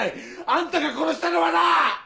あんたが殺したのはな！